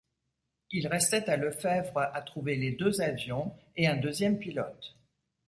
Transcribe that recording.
Il restait à Lefèvre à trouver les deux avions, et un deuxième pilote.